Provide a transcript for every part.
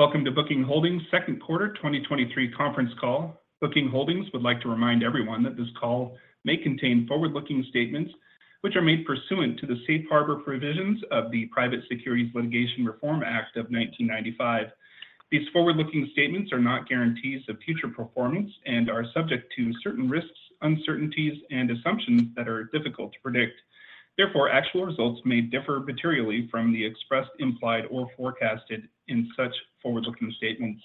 Welcome to Booking Holdings' second quarter 2023 conference call. Booking Holdings would like to remind everyone that this call may contain forward-looking statements, which are made pursuant to the Safe Harbor provisions of the Private Securities Litigation Reform Act of 1995. These forward-looking statements are not guarantees of future performance and are subject to certain risks, uncertainties, and assumptions that are difficult to predict. Actual results may differ materially from the expressed, implied, or forecasted in such forward-looking statements.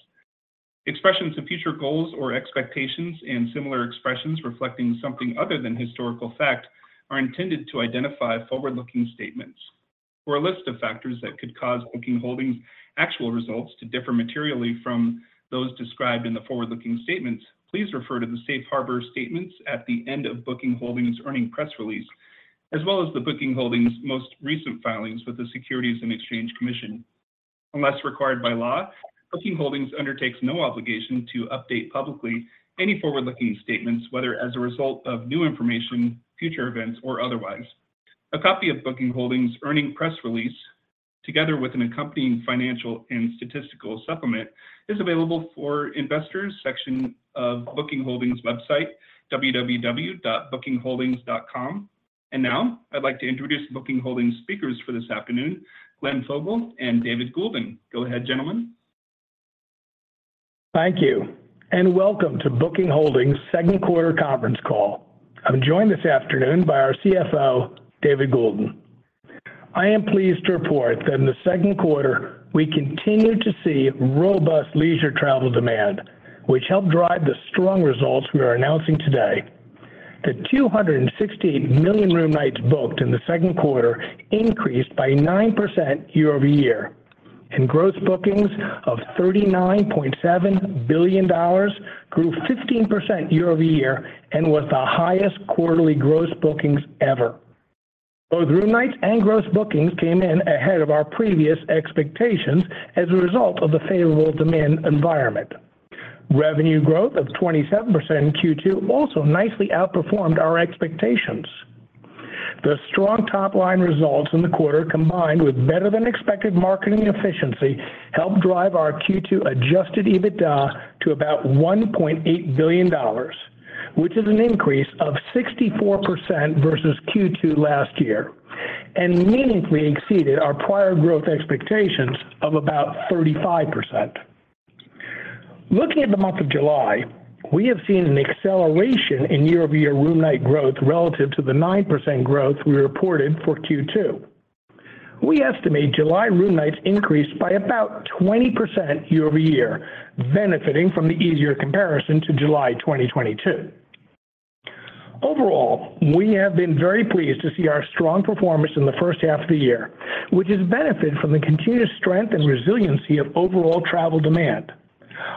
Expressions of future goals or expectations and similar expressions reflecting something other than historical fact are intended to identify forward-looking statements. For a list of factors that could cause Booking Holdings' actual results to differ materially from those described in the forward-looking statements, please refer to the Safe Harbor statements at the end of Booking Holdings' earnings press release, as well as the Booking Holdings' most recent filings with the Securities and Exchange Commission. Unless required by law, Booking Holdings undertakes no obligation to update publicly any forward-looking statements, whether as a result of new information, future events, or otherwise. A copy of Booking Holdings' earnings press release, together with an accompanying financial and statistical supplement, is available for investors section of Booking Holdings' website, www.bookingholdings.com. Now, I'd like to introduce Booking Holdings' speakers for this afternoon, Glenn Fogel and David Goulden. Go ahead, gentlemen. Thank you, and welcome to Booking Holdings' second quarter conference call. I'm joined this afternoon by our CFO, David Goulden. I am pleased to report that in the second quarter, I continued to see robust leisure travel demand, which helped drive the strong results we are announcing today. The 268 million room nights booked in the second quarter increased by 9% year-over-year, and gross bookings of $39.7 billion grew 15% year-over-year and was the highest quarterly gross bookings ever. Both room nights and gross bookings came in ahead of our previous expectations as a result of the favorable demand environment. Revenue growth of 27% in Q2 also nicely outperformed our expectations. The strong top-line results in the quarter, combined with better-than-expected marketing efficiency, helped drive our Q2 Adjusted EBITDA to about $1.8 billion, which is an increase of 64% versus Q2 last year, and meaningfully exceeded our prior growth expectations of about 35%. Looking at the month of July, we have seen an acceleration in year-over-year room night growth relative to the 9% growth we reported for Q2. We estimate July room nights increased by about 20% year-over-year, benefiting from the easier comparison to July 2022. Overall, we have been very pleased to see our strong performance in the first half of the year, which has benefited from the continuous strength and resiliency of overall travel demand.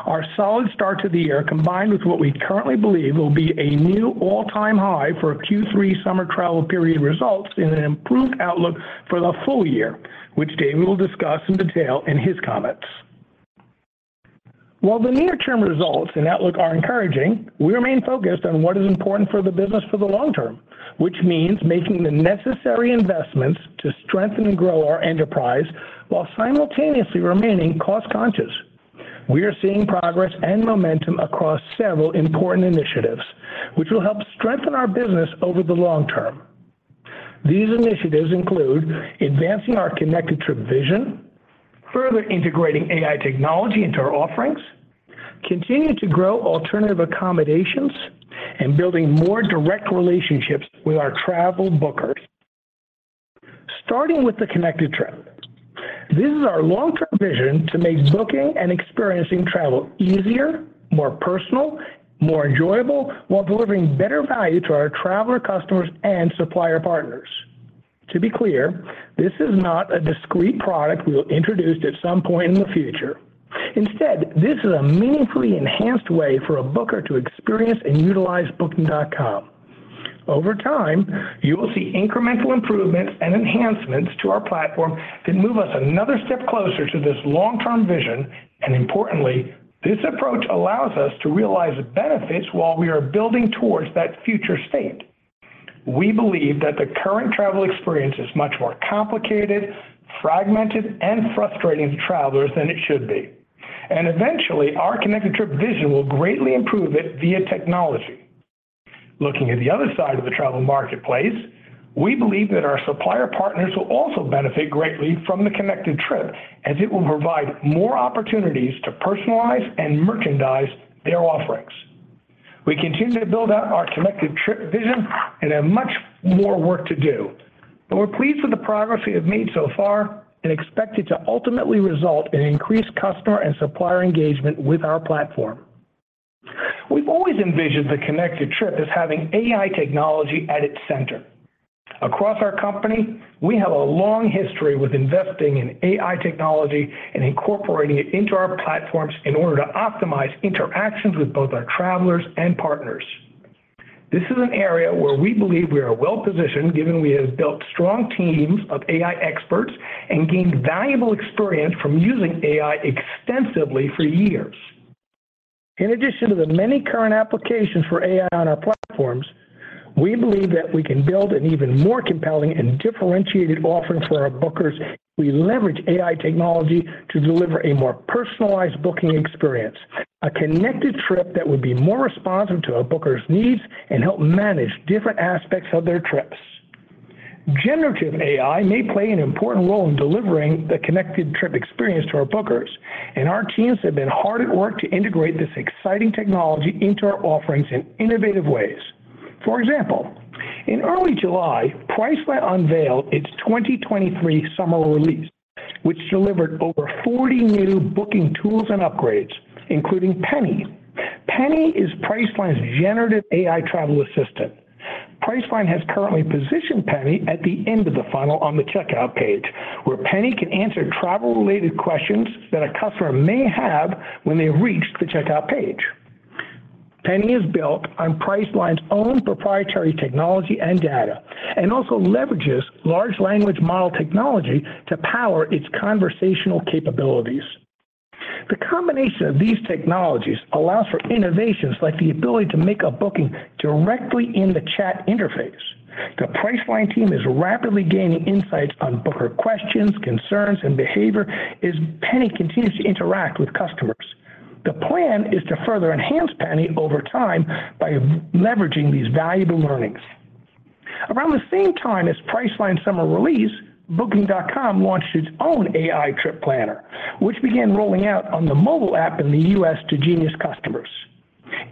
Our solid start to the year, combined with what we currently believe will be a new all-time high for Q3 summer travel period, results in an improved outlook for the full year, which David will discuss in detail in his comments. While the near-term results and outlook are encouraging, we remain focused on what is important for the business for the long term, which means making the necessary investments to strengthen and grow our enterprise while simultaneously remaining cost-conscious. We are seeing progress and momentum across several important initiatives, which will help strengthen our business over the long term. These initiatives include advancing our Connected Trip vision, further integrating AI technology into our offerings, continue to grow alternative accommodations, and building more direct relationships with our travel bookers. Starting with the Connected Trip, this is our long-term vision to make booking and experiencing travel easier, more personal, more enjoyable, while delivering better value to our traveler customers and supplier partners. To be clear, this is not a discrete product we will introduce at some point in the future. Instead, this is a meaningfully enhanced way for a booker to experience and utilize Booking.com. Over time, you will see incremental improvements and enhancements to our platform that move us another step closer to this long-term vision, and importantly, this approach allows us to realize the benefits while we are building towards that future state. We believe that the current travel experience is much more complicated, fragmented, and frustrating to travelers than it should be, and eventually, our Connected Trip vision will greatly improve it via technology. Looking at the other side of the travel marketplace, we believe that our supplier partners will also benefit greatly from the Connected Trip, as it will provide more opportunities to personalize and merchandise their offerings. We continue to build out our Connected Trip vision and have much more work to do. We're pleased with the progress we have made so far and expect it to ultimately result in increased customer and supplier engagement with our platform. We've always envisioned the Connected Trip as having AI technology at its center. Across our company, we have a long history with investing in AI technology and incorporating it into our platforms in order to optimize interactions with both our travelers and partners. This is an area where we believe we are well-positioned, given we have built strong teams of AI experts and gained valuable experience from using AI extensively for years. In addition to the many current applications for AI on our platforms, we believe that we can build an even more compelling and differentiated offering for our bookers if we leverage AI technology to deliver a more personalized booking experience, a Connected Trip that would be more responsive to our bookers' needs and help manage different aspects of their trips. Generative AI may play an important role in delivering the Connected Trip experience to our bookers. Our teams have been hard at work to integrate this exciting technology into our offerings in innovative ways. For example, in early July, Priceline unveiled its 2023 summer release, which delivered over 40 new booking tools and upgrades, including Penny. Penny is Priceline's generative AI travel assistant. Priceline has currently positioned Penny at the end of the funnel on the checkout page, where Penny can answer travel-related questions that a customer may have when they've reached the checkout page. Penny is built on Priceline's own proprietary technology and data, and also leverages large language model technology to power its conversational capabilities. The combination of these technologies allows for innovations like the ability to make a booking directly in the chat interface. The Priceline team is rapidly gaining insights on booker questions, concerns, and behavior as Penny continues to interact with customers. The plan is to further enhance Penny over time by leveraging these valuable learnings. Around the same time as Priceline's summer release, Booking.com launched its own AI Trip Planner, which began rolling out on the mobile app in the U.S. to Genius customers.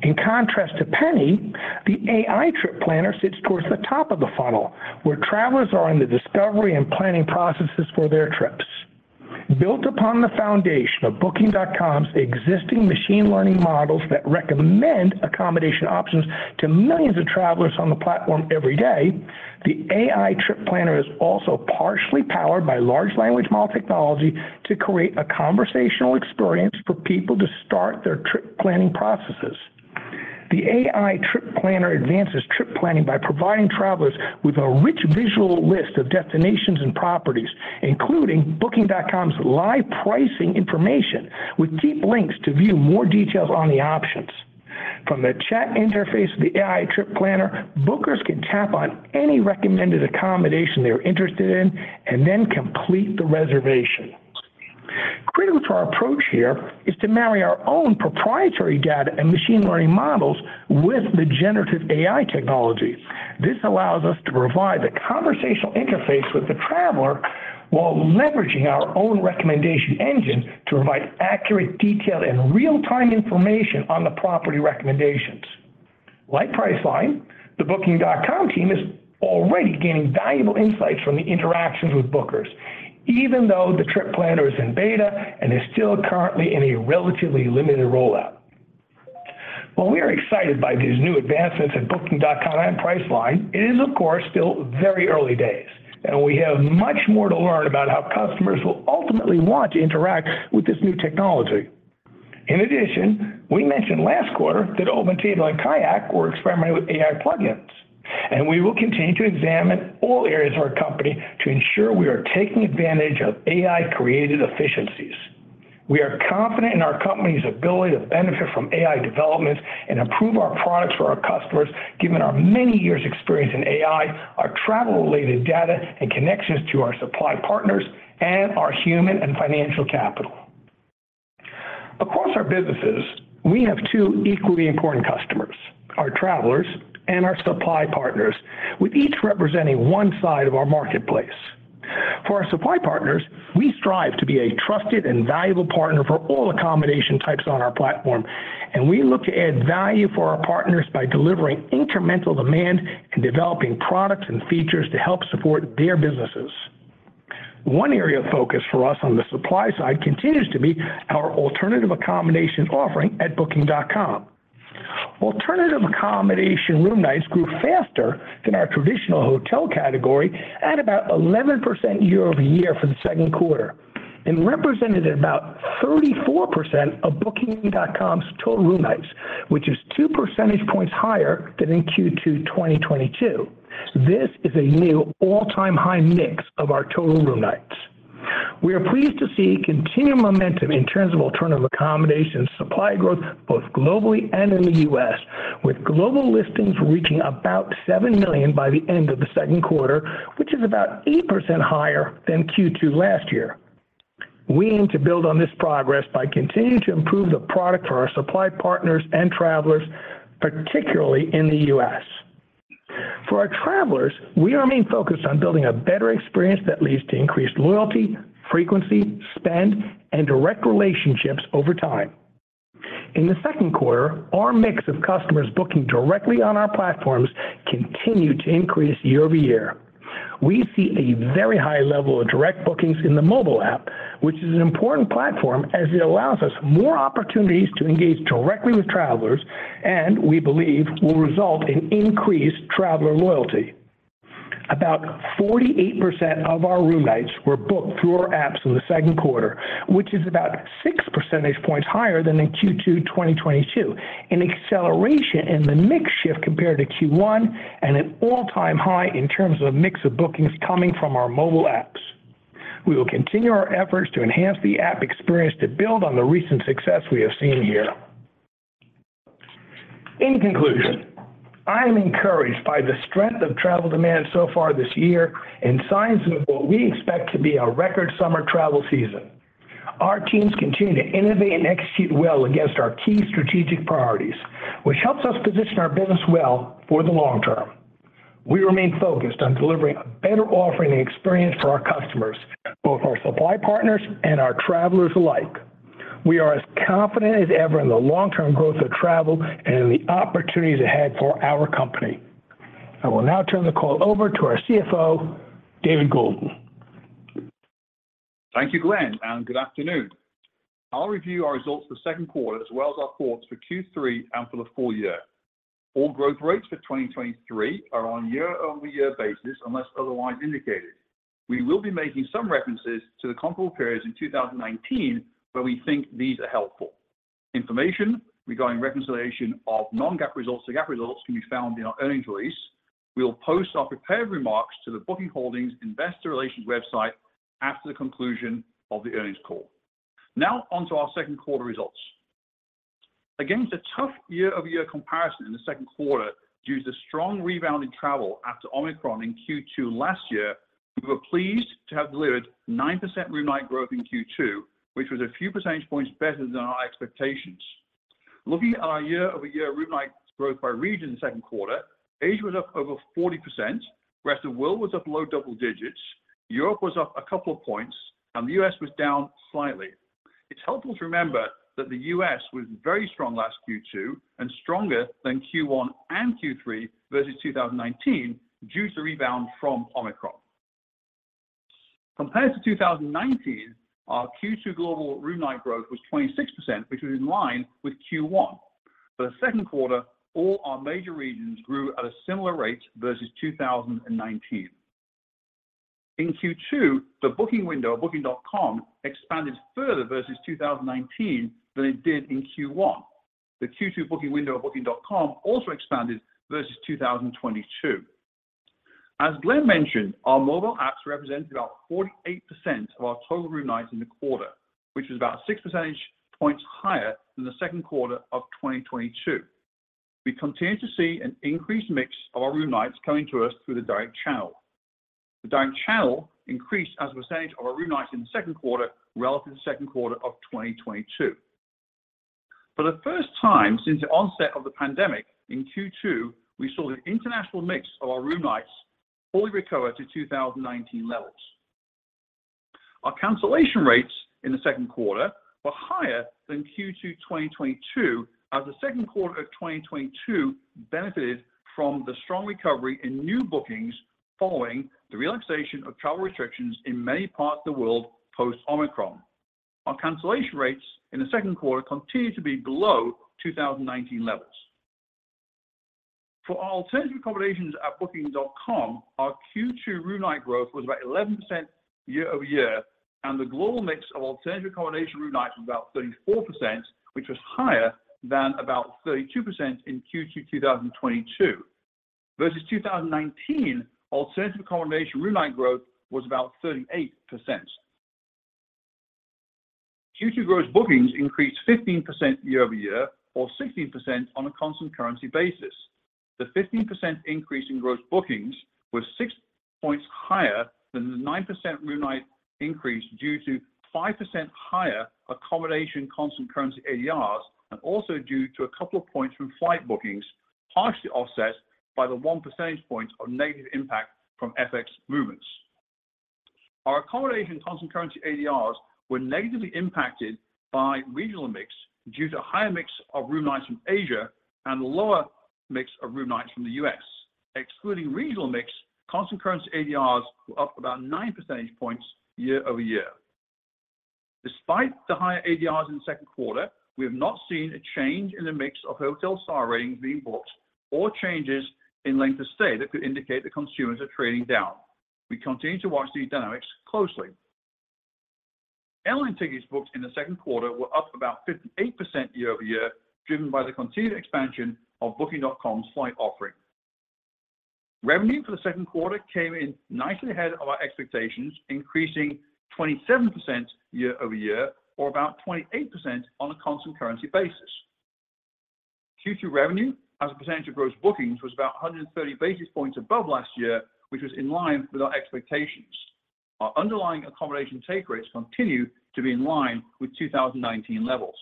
In contrast to Penny, the AI Trip Planner sits towards the top of the funnel, where travelers are in the discovery and planning processes for their trips. Built upon the foundation of Booking.com's existing machine learning models that recommend accommodation options to millions of travelers on the platform every day, the AI Trip Planner is also partially powered by large language model technology to create a conversational experience for people to start their trip planning processes. The AI Trip Planner advances trip planning by providing travelers with a rich visual list of destinations and properties, including Booking.com's live pricing information, with deep links to view more details on the options. From the chat interface of the AI Trip Planner, bookers can tap on any recommended accommodation they are interested in and then complete the reservation. Critical to our approach here is to marry our own proprietary data and machine learning models with the generative AI technology. This allows us to provide a conversational interface with the traveler while leveraging our own recommendation engine to provide accurate, detailed, and real-time information on the property recommendations. Like Priceline, the Booking.com team is already gaining valuable insights from the interactions with bookers, even though the trip planner is in beta and is still currently in a relatively limited rollout. While we are excited by these new advancements at Booking.com and Priceline, it is, of course, still very early days, and we have much more to learn about how customers will ultimately want to interact with this new technology. In addition, we mentioned last quarter that OpenTable and KAYAK were experimenting with AI plugins, and we will continue to examine all areas of our company to ensure we are taking advantage of AI-created efficiencies. We are confident in our company's ability to benefit from AI developments and improve our products for our customers, given our many years' experience in AI, our travel-related data and connections to our supply partners, and our human and financial capital. Across our businesses, we have two equally important customers: our travelers and our supply partners, with each representing one side of our marketplace. For our supply partners, we strive to be a trusted and valuable partner for all accommodation types on our platform, and we look to add value for our partners by delivering incremental demand and developing products and features to help support their businesses. One area of focus for us on the supply side continues to be our alternative accommodation offering at Booking.com. Alternative accommodation room nights grew faster than our traditional hotel category at about 11% year-over-year for the second quarter and represented about 34% of Booking.com's total room nights, which is 2 percentage points higher than in Q2 2022. This is a new all-time high mix of our total room nights. We are pleased to see continued momentum in terms of alternative accommodation supply growth, both globally and in the U.S., with global listings reaching about 7 million by the end of the second quarter, which is about 8% higher than Q2 last year. We aim to build on this progress by continuing to improve the product for our supply partners and travelers, particularly in the U.S. For our travelers, we remain focused on building a better experience that leads to increased loyalty, frequency, spend, and direct relationships over time. In the second quarter, our mix of customers booking directly on our platforms continued to increase year-over-year. We see a very high level of direct bookings in the mobile app, which is an important platform as it allows us more opportunities to engage directly with travelers and, we believe, will result in increased traveler loyalty. About 48% of our room nights were booked through our apps in the second quarter, which is about six percentage points higher than in Q2 2022, an acceleration in the mix shift compared to Q1 and an all-time high in terms of mix of bookings coming from our mobile apps.... We will continue our efforts to enhance the app experience to build on the recent success we have seen here. In conclusion, I am encouraged by the strength of travel demand so far this year and signs of what we expect to be a record summer travel season. Our teams continue to innovate and execute well against our key strategic priorities, which helps us position our business well for the long term. We remain focused on delivering a better offering and experience for our customers, both our supply partners and our travelers alike. We are as confident as ever in the long-term growth of travel and in the opportunities ahead for our company. I will now turn the call over to our CFO, David Goulden. Thank you, Glenn, and good afternoon. I'll review our results for the second quarter, as well as our thoughts for Q3 and for the full year. All growth rates for 2023 are on a year-over-year basis, unless otherwise indicated. We will be making some references to the comparable periods in 2019, where we think these are helpful. Information regarding reconciliation of non-GAAP results to GAAP results can be found in our earnings release. We will post our prepared remarks to the Booking Holdings Investor Relations website after the conclusion of the earnings call. Now, on to our second quarter results. Against a tough year-over-year comparison in the second quarter, due to the strong rebound in travel after Omicron in Q2 last year, we were pleased to have delivered 9% room night growth in Q2, which was a few percentage points better than our expectations. Looking at our year-over-year room night growth by region in the second quarter, Asia was up over 40%, Rest of World was up low double digits, Europe was up a couple of points, and the U.S. was down slightly. It's helpful to remember that the U.S. was very strong last Q2 and stronger than Q1 and Q3 versus 2019, due to the rebound from Omicron. Compared to 2019, our Q2 global room night growth was 26%, which was in line with Q1. For the second quarter, all our major regions grew at a similar rate versus 2019. In Q2, the booking window of Booking.com expanded further versus 2019 than it did in Q1. The Q2 booking window of Booking.com also expanded versus 2022. As Glenn mentioned, our mobile apps represented about 48% of our total room nights in the quarter, which is about 6 percentage points higher than the second quarter of 2022. We continue to see an increased mix of our room nights coming to us through the direct channel. The direct channel increased as a percentage of our room nights in the second quarter relative to the second quarter of 2022. For the first time since the onset of the pandemic, in Q2, we saw the international mix of our room nights fully recover to 2019 levels. Our cancellation rates in the second quarter were higher than Q2 2022, as the second quarter of 2022 benefited from the strong recovery in new bookings following the relaxation of travel restrictions in many parts of the world post-Omicron. Our cancellation rates in the second quarter continued to be below 2019 levels. For our alternative accommodations at Booking.com, our Q2 room night growth was about 11% year-over-year, the global mix of alternative accommodation room nights was about 34%, which was higher than about 32% in Q2 2022. Versus 2019, alternative accommodation room night growth was about 38%. Q2 gross bookings increased 15% year-over-year, or 16% on a constant currency basis. The 15% increase in gross bookings was six points higher than the 9% room night increase due to 5% higher accommodation constant currency ADRs, also due to a couple of points from flight bookings, partially offset by the one percentage point of negative impact from FX movements. Our accommodation constant currency ADRs were negatively impacted by regional mix due to a higher mix of room nights from Asia and a lower mix of room nights from the U.S. Excluding regional mix, constant currency ADRs were up about 9 percentage points year-over-year. Despite the higher ADRs in the second quarter, we have not seen a change in the mix of hotel star ratings being booked or changes in length of stay that could indicate that consumers are trading down. We continue to watch these dynamics closely. Airline tickets booked in the second quarter were up about 58% year-over-year, driven by the continued expansion of Booking.com's flight offering. Revenue for the second quarter came in nicely ahead of our expectations, increasing 27% year-over-year, or about 28% on a constant currency basis. Q2 revenue, as a percentage of gross bookings, was about 130 basis points above last year, which was in line with our expectations. Our underlying accommodation take rates continue to be in line with 2019 levels.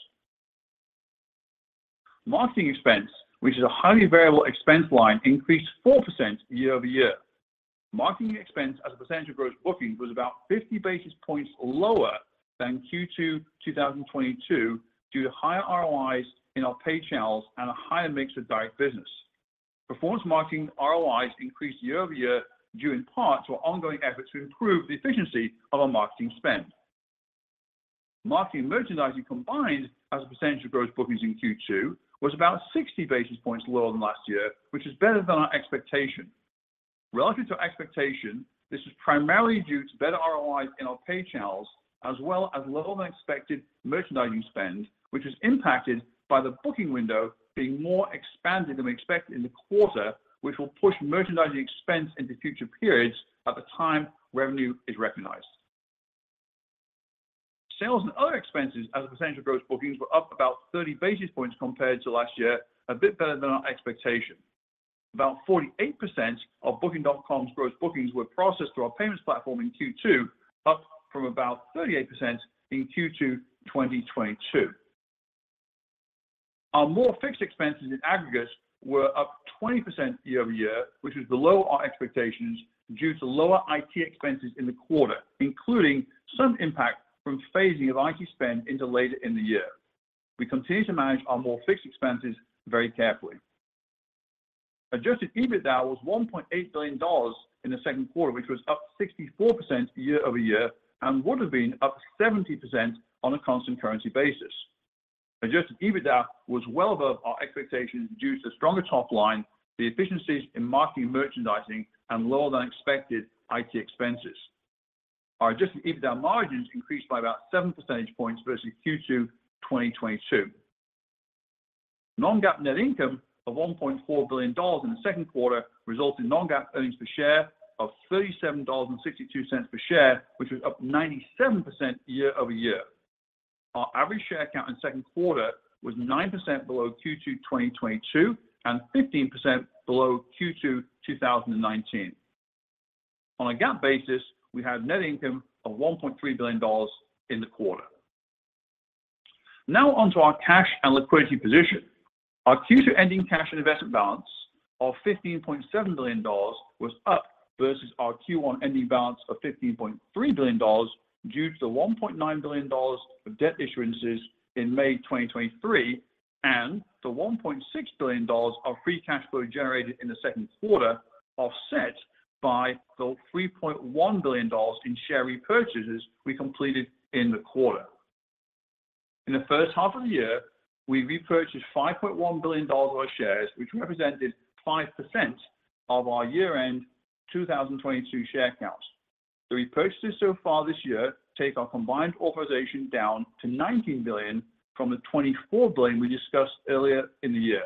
Marketing expense, which is a highly variable expense line, increased 4% year-over-year. Marketing expense as a percentage of gross bookings was about 50 basis points lower than Q2 2022, due to higher ROIs in our paid channels and a higher mix of direct business. Performance marketing ROIs increased year-over-year, due in part to our ongoing efforts to improve the efficiency of our marketing spend. Marketing and merchandising combined, as a percentage of gross bookings in Q2, was about 60 basis points lower than last year, which is better than our expectation. Relative to expectation, this is primarily due to better ROIs in our paid channels, as well as lower-than-expected merchandising spend, which was impacted by the booking window being more expanded than we expected in the quarter, which will push merchandising expense into future periods at the time revenue is recognized. Sales and other expenses as a percentage of gross bookings were up about 30 basis points compared to last year, a bit better than our expectation. About 48% of Booking.com's gross bookings were processed through our payments platform in Q2, up from about 38% in Q2 2022. Our more fixed expenses in aggregate were up 20% year-over-year, which was below our expectations due to lower IT expenses in the quarter, including some impact from phasing of IT spend into later in the year. We continue to manage our more fixed expenses very carefully. Adjusted EBITDA was $1.8 billion in the second quarter, which was up 64% year-over-year, would have been up 70% on a constant currency basis. Adjusted EBITDA was well above our expectations due to stronger top line, the efficiencies in marketing and merchandising, and lower than expected IT expenses. Our Adjusted EBITDA margins increased by about 7 percentage points versus Q2 2022. Non-GAAP net income of $1.4 billion in the second quarter, resulting in non-GAAP earnings per share of $37.62 per share, which was up 97% year-over-year. Our average share count in second quarter was 9% below Q2 2022, 15% below Q2 2019. On a GAAP basis, we had net income of $1.3 billion in the quarter. On to our cash and liquidity position. Our Q2 ending cash and investment balance of $15.7 billion was up versus our Q1 ending balance of $15.3 billion, due to the $1.9 billion of debt issuances in May 2023, and the $1.6 billion of free cash flow generated in the second quarter, offset by the $3.1 billion in share repurchases we completed in the quarter. In the first half of the year, we repurchased $5.1 billion of our shares, which represented 5% of our year-end 2022 share count. The repurchases so far this year take our combined authorization down to $19 billion from the $24 billion we discussed earlier in the year.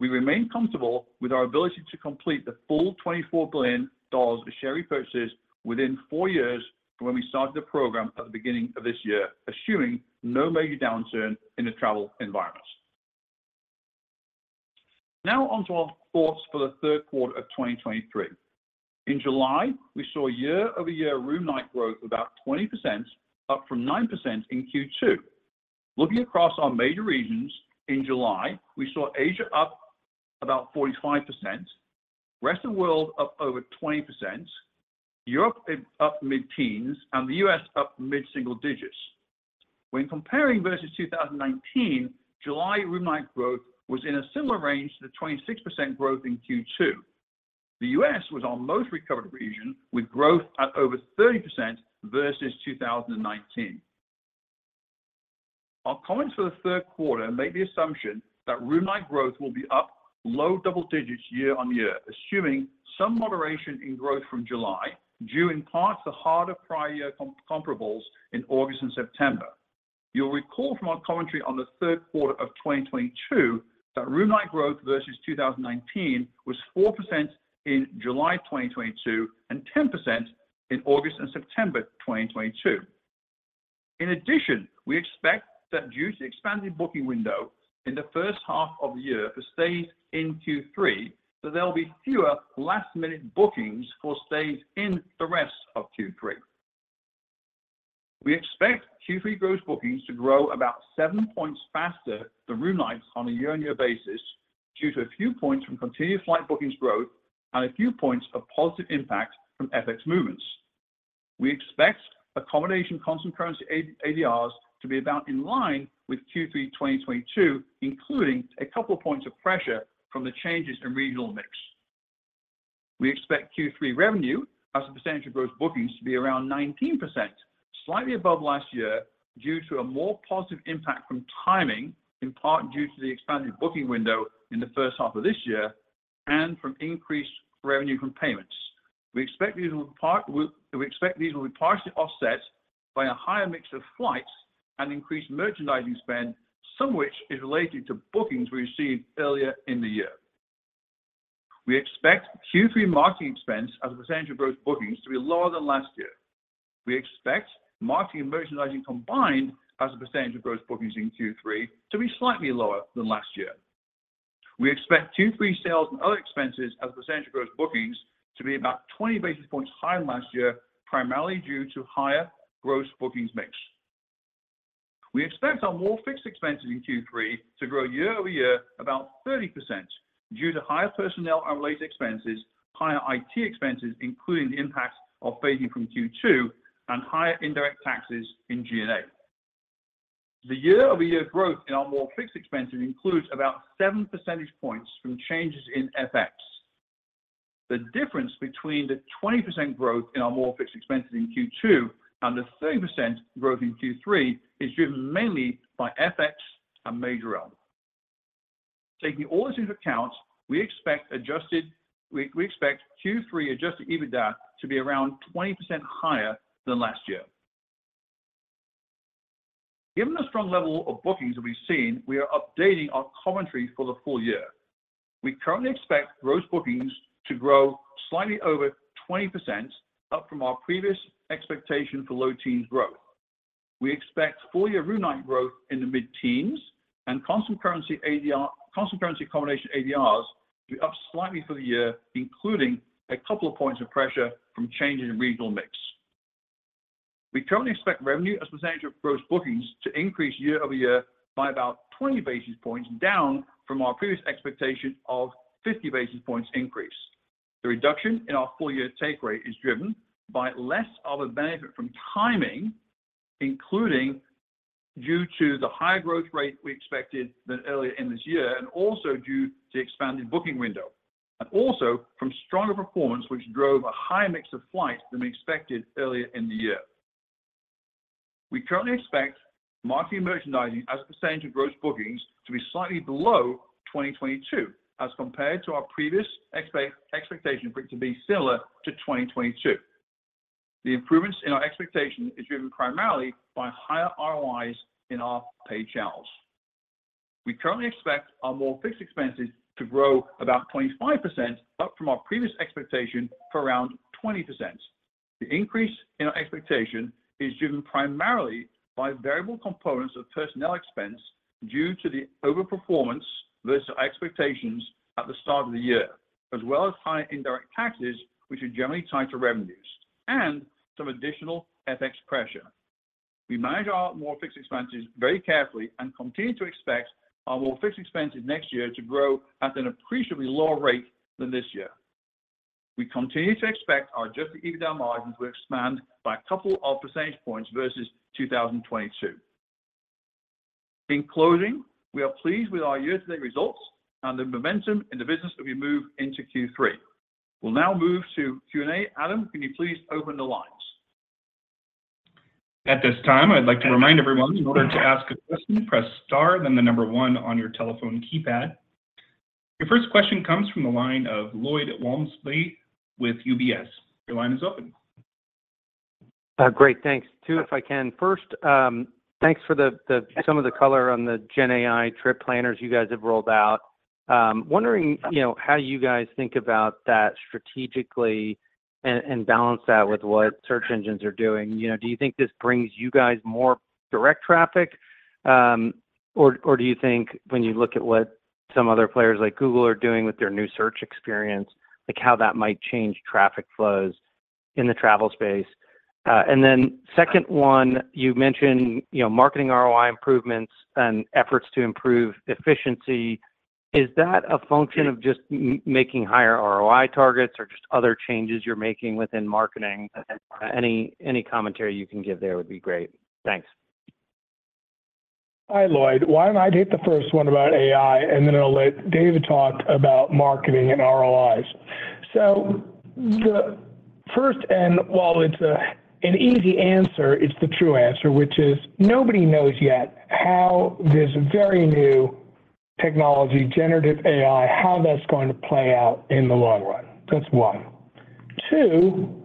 We remain comfortable with our ability to complete the full $24 billion of share repurchases within 4 years from when we started the program at the beginning of this year, assuming no major downturn in the travel environment. Now on to our thoughts for the third quarter of 2023. In July, we saw year-over-year room night growth about 20%, up from 9% in Q2. Looking across our major regions in July, we saw Asia up about 45%, Rest of World up over 20%, Europe up mid-teens, and the U.S. up mid-single digits. When comparing versus 2019, July room night growth was in a similar range to the 26% growth in Q2. The U.S. was our most recovered region, with growth at over 30% versus 2019. Our comments for the third quarter make the assumption that room night growth will be up low double digits year-over-year, assuming some moderation in growth from July, due in part to harder prior year comparables in August and September. You'll recall from our commentary on the third quarter of 2022, that room night growth versus 2019 was 4% in July 2022, and 10% in August and September 2022. In addition, we expect that due to the expanded booking window in the first half of the year for stays in Q3, that there will be fewer last-minute bookings for stays in the rest of Q3. We expect Q3 gross bookings to grow about 7 points faster than room nights on a year-on-year basis, due to a few points from continued flight bookings growth and a few points of positive impact from FX movements. We expect accommodation constant currency ADRs to be about in line with Q3 2022, including a couple of points of pressure from the changes in regional mix. We expect Q3 revenue as a percentage of gross bookings to be around 19%, slightly above last year, due to a more positive impact from timing, in part due to the expanded booking window in the first half of this year and from increased revenue from payments. We expect these will be partially offset by a higher mix of flights and increased merchandising spend, some which is related to bookings we received earlier in the year. We expect Q3 marketing expense as a percentage of gross bookings to be lower than last year. We expect marketing and merchandising combined as a percentage of gross bookings in Q3 to be slightly lower than last year. We expect Q3 sales and other expenses as a percentage of gross bookings to be about 20 basis points higher than last year, primarily due to higher gross bookings mix. We expect our more fixed expenses in Q3 to grow year-over-year about 30% due to higher personnel and related expenses, higher IT expenses, including the impact of phasing from Q2, and higher indirect taxes in G&A. The year-over-year growth in our more fixed expenses includes about 7 percentage points from changes in FX. The difference between the 20% growth in our more fixed expenses in Q2 and the 30% growth in Q3 is driven mainly by FX and Majorel. Taking all this into account, we expect Q3 Adjusted EBITDA to be around 20% higher than last year. Given the strong level of bookings that we've seen, we are updating our commentary for the full year. We currently expect gross bookings to grow slightly over 20%, up from our previous expectation for low teens growth. We expect full year room night growth in the mid-teens, and constant currency accommodation ADRs to be up slightly for the year, including a couple of points of pressure from changes in regional mix. We currently expect revenue as a percent of gross bookings to increase year-over-year by about 20 basis points, down from our previous expectation of 50 basis points increase. The reduction in our full-year take rate is driven by less of a benefit from timing, including due to the high growth rate we expected than earlier in this year, and also due to expanded booking window, and also from stronger performance, which drove a higher mix of flights than we expected earlier in the year. We currently expect marketing merchandising as a % of gross bookings to be slightly below 2022, as compared to our previous expectation for it to be similar to 2022. The improvements in our expectation is driven primarily by higher ROIs in our paid channels. We currently expect our more fixed expenses to grow about 25%, up from our previous expectation for around 20%. The increase in our expectation is driven primarily by variable components of personnel expense due to the overperformance versus our expectations at the start of the year, as well as higher indirect taxes, which are generally tied to revenues and some additional FX pressure. We manage our more fixed expenses very carefully and continue to expect our more fixed expenses next year to grow at an appreciably lower rate than this year. We continue to expect our Adjusted EBITDA margins to expand by a couple of percentage points versus 2022. In closing, we are pleased with our year-to-date results and the momentum in the business as we move into Q3. We'll now move to Q&A. Adam, can you please open the lines? At this time, I'd like to remind everyone, in order to ask a question, press Star, then the number one on your telephone keypad. Your first question comes from the line of Lloyd Walmsley with UBS. Your line is open. Great, thanks. Two, if I can. First, thanks for the, the some of the color on the Gen AI Trip Planners you guys have rolled out. Wondering, you know, how you guys think about that strategically and, and balance that with what search engines are doing. You know, do you think this brings you guys more direct traffic, or, or do you think when you look at what some other players like Google are doing with their new search experience, like how that might change traffic flows in the travel space? And then second one, you mentioned, you know, marketing ROI improvements and efforts to improve efficiency. Is that a function of just m- making higher ROI targets or just other changes you're making within marketing? Any, any commentary you can give there would be great. Thanks. Hi, Lloyd. Why don't I take the first one about AI, and then I'll let David talk about marketing and ROIs? The first, and while it's an easy answer, it's the true answer, which is nobody knows yet how this very new technology, generative AI, how that's going to play out in the long run. That's one. Two,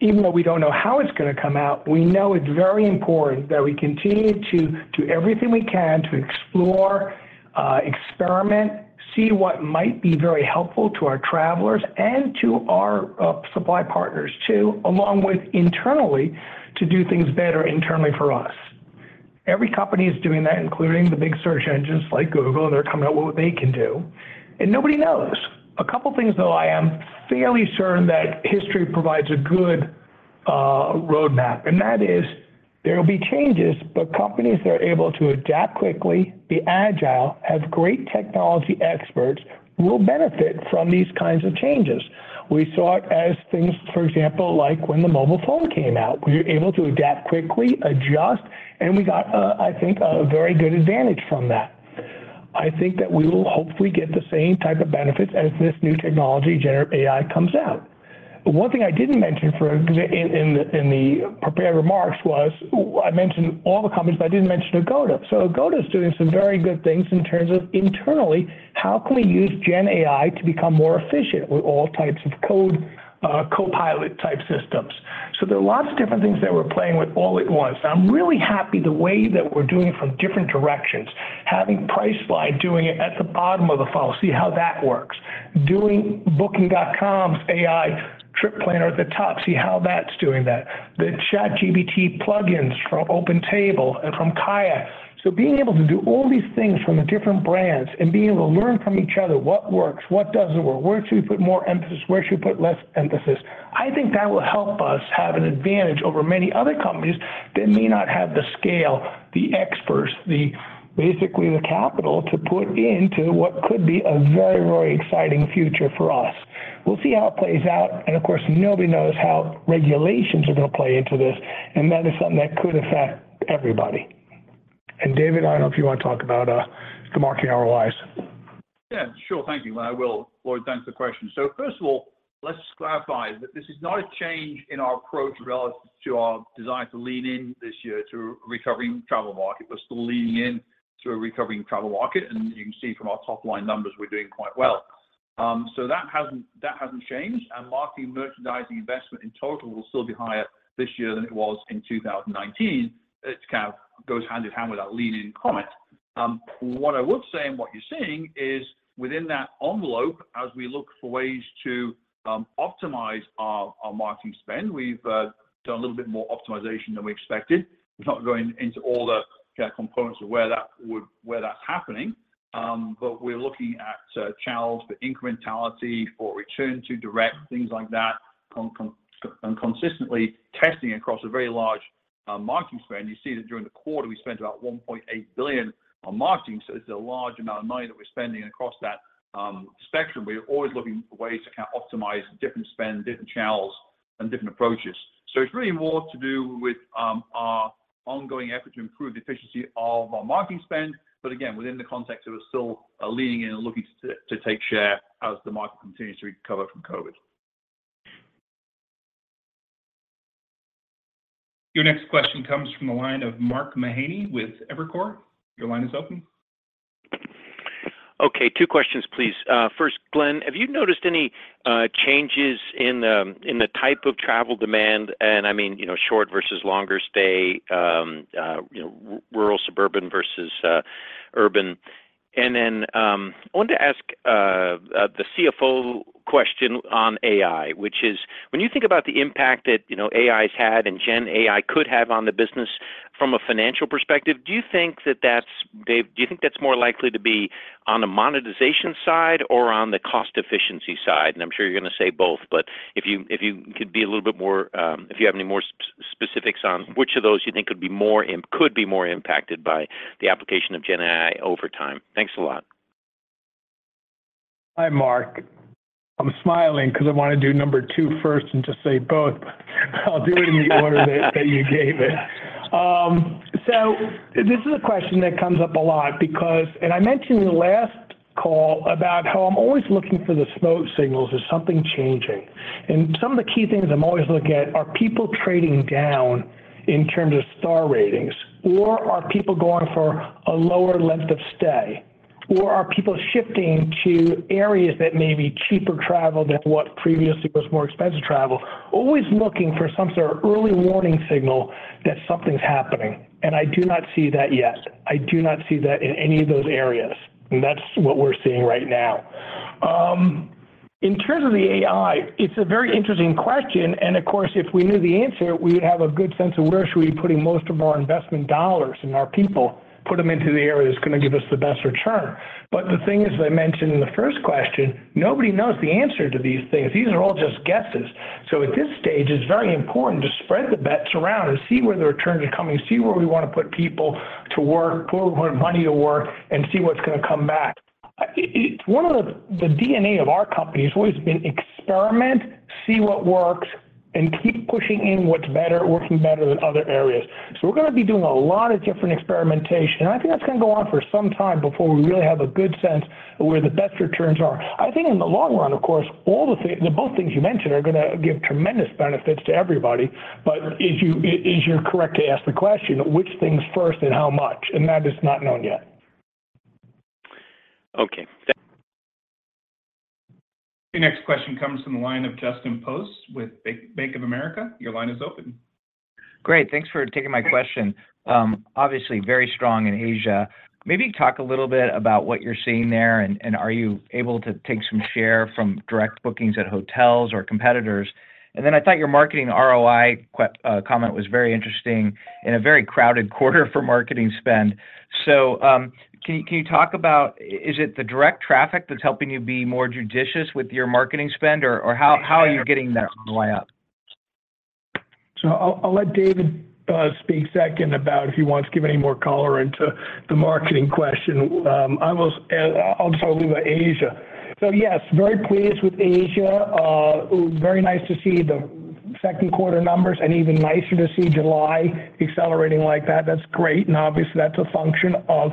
even though we don't know how it's gonna come out, we know it's very important that we continue to do everything we can to explore, experiment, see what might be very helpful to our travelers and to our supply partners, too, along with internally, to do things better internally for us. Every company is doing that, including the big search engines like Google, they're coming out with what they can do, and nobody knows. A couple things, though, I am fairly certain that history provides a good roadmap, and that is there will be changes, but companies that are able to adapt quickly, be agile, have great technology experts, will benefit from these kinds of changes. We saw it as things, for example, like when the mobile phone came out. We were able to adapt quickly, adjust, and we got, I think, a very good advantage from that. I think that we will hopefully get the same type of benefits as this new technology, generative AI, comes out. One thing I didn't mention for, in, in the, in the prepared remarks was I mentioned all the companies, but I didn't mention Agoda. So Agoda is doing some very good things in terms of internally, how can we use GenAI to become more efficient with all types of code, Copilot-type systems. There are lots of different things that we're playing with all at once. I'm really happy the way that we're doing it from different directions, having Priceline doing it at the bottom of the funnel, see how that works, doing Booking.com's AI Trip Planner at the top, see how that's doing that, the ChatGPT plugins from OpenTable and from KAYAK. Being able to do all these things from the different brands and being able to learn from each other, what works, what doesn't work, where should we put more emphasis, where should we put less emphasis, I think that will help us have an advantage over many other companies that may not have the scale, the experts, the basically the capital to put into what could be a very, very exciting future for us. We'll see how it plays out, and of course, nobody knows how regulations are going to play into this, and that is something that could affect everybody. David, I don't know if you want to talk about, the marketing ROIs. Yeah, sure. Thank you. I will. Lloyd, thanks for the question. First of all, let's clarify that this is not a change in our approach relative to our desire to lean in this year to a recovering travel market. We're still leaning in to a recovering travel market, and you can see from our top-line numbers, we're doing quite well. So that hasn't, that hasn't changed, and marketing merchandising investment in total will still be higher this year than it was in 2019. It kind of goes hand in hand with that lean in comment. What I would say and what you're seeing is within that envelope, as we look for ways to optimize our, our marketing spend, we've done a little bit more optimization than we expected. We're not going into all the kind of components of where that would- where that's happening, but we're looking at channels for incrementality, for return to direct, things like that, and consistently testing across a very large marketing spend. You see that during the quarter, we spent about $1.8 billion on marketing, so it's a large amount of money that we're spending across that spectrum, but we're always looking for ways to kind of optimize different spend, different channels, and different approaches. It's really more to do with our ongoing effort to improve the efficiency of our marketing spend, but again, within the context of us still leaning in and looking to, to take share as the market continues to recover from COVID. Your next question comes from the line of Mark Mahaney with Evercore. Your line is open. Okay, two questions, please. First, Glenn, have you noticed any changes in the type of travel demand? I mean, you know, short versus longer stay, you know, rural, suburban versus urban. Then I wanted to ask the CFO question on AI, which is: when you think about the impact that, you know, AI's had and GenAI could have on the business from a financial perspective, do you think that that's Dave, do you think that's more likely to be on the monetization side or on the cost efficiency side? I'm sure you're going to say both, but if you, if you could be a little bit more, if you have any more specifics on which of those you think could be more impacted by the application of GenAI over time. Thanks a lot. Hi, Mark. I'm smiling 'cause I want to do number two first and just say both, but I'll do it in the order that, that you gave it. So this is a question that comes up a lot because... I mentioned in the last call about how I'm always looking for the smoke signals, is something changing? Some of the key things I'm always looking at, are people trading down in terms of star ratings, or are people going for a lower length of stay? Are people shifting to areas that may be cheaper travel than what previously was more expensive travel? Always looking for some sort of early warning signal that something's happening, and I do not see that yet. I do not see that in any of those areas, and that's what we're seeing right now. In terms of the AI, it's a very interesting question. Of course, if we knew the answer, we would have a good sense of where should we be putting most of our investment dollars and our people, put them into the area that's going to give us the best return. The thing is, as I mentioned in the first question, nobody knows the answer to these things. These are all just guesses. At this stage, it's very important to spread the bets around and see where the returns are coming, see where we want to put people to work, put money to work, and see what's going to come back. It's one of the DNA of our company has always been experiment, see what works, and keep pushing in what's better, working better than other areas. We're going to be doing a lot of different experimentation, and I think that's going to go on for some time before we really have a good sense of where the best returns are. I think in the long run, of course, all the both things you mentioned are going to give tremendous benefits to everybody. But if as you're correct to ask the question, which things first and how much? That is not known yet. Okay. Your next question comes from the line of Justin Post with Bank of America. Your line is open. Great, thanks for taking my question. Obviously, very strong in Asia. Maybe talk a little bit about what you're seeing there, and, and are you able to take some share from direct bookings at hotels or competitors? I thought your marketing ROI comment was very interesting in a very crowded quarter for marketing spend. Can you, can you talk about, is it the direct traffic that's helping you be more judicious with your marketing spend, or, or how, how are you getting that ROI up? I'll, I'll let David speak second about if he wants to give any more color into the marketing question. I will, I'll just talk a little about Asia. Yes, very pleased with Asia. Very nice to see the second quarter numbers and even nicer to see July accelerating like that. That's great, and obviously, that's a function of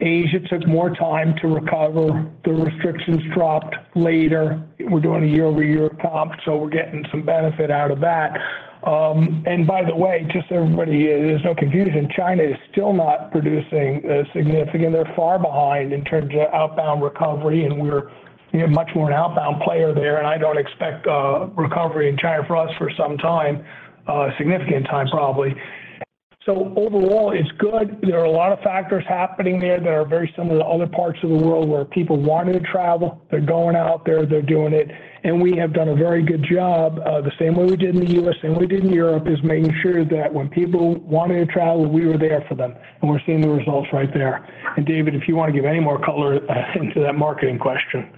Asia took more time to recover. The restrictions dropped later. We're doing a year-over-year comp, so we're getting some benefit out of that. By the way, just so everybody is not confused, China is still not producing significant. They're far behind in terms of outbound recovery, and we're, you know, much more an outbound player there, and I don't expect recovery in China for us for some time, significant time, probably. Overall, it's good. There are a lot of factors happening there that are very similar to other parts of the world where people wanted to travel, they're going out there, they're doing it. We have done a very good job, the same way we did in the U.S., same way we did in Europe, is making sure that when people wanted to travel, we were there for them, and we're seeing the results right there. David, if you want to give any more color, into that marketing question.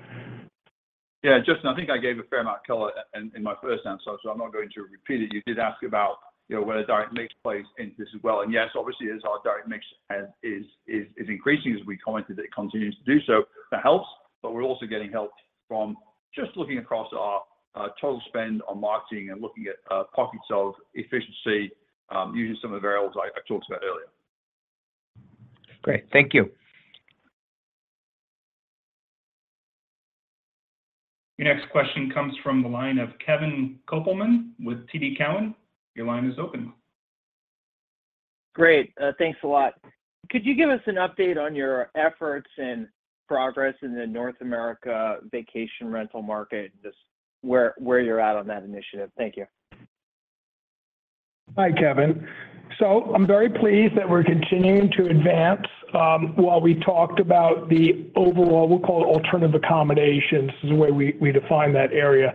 Yeah, Justin, I think I gave a fair amount of color in my first answer, so I'm not going to repeat it. You did ask about, you know, where the direct mix plays into this as well. Yes, obviously, as our direct mix has is increasing, as we commented, it continues to do so. That helps, but we're also getting help from just looking across our total spend on marketing and looking at pockets of efficiency, using some of the variables I talked about earlier. Great. Thank you. Your next question comes from the line of Kevin Kopelman with TD Cowen. Your line is open. Great. Thanks a lot. Could you give us an update on your efforts and progress in the North America vacation rental market, just where, where you're at on that initiative? Thank you. Hi, Kevin. I'm very pleased that we're continuing to advance, while we talked about the overall, we'll call it alternative accommodations, is the way we, we define that area.